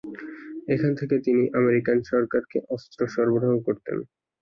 এখান থেকে তিনি আমেরিকান সরকারকে অস্ত্র সরবরাহ করতেন।